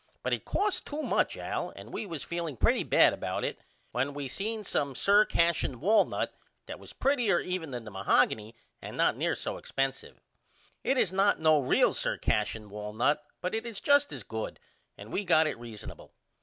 But it costs to much Al and we was feeling pretty bad about it when we seen some Sir Cashion walnut that was prettier even than the mohoggeny and not near so expensive. It is not no real Sir Cashion walnut but it is just as good and we got it reasonable.